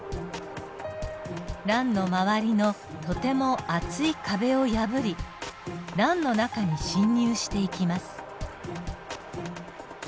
卵の周りのとても厚い壁を破り卵の中に侵入していきます。